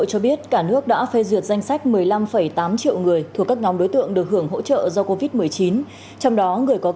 hội thao đã diễn ra an toàn cho cán bộ chiến sĩ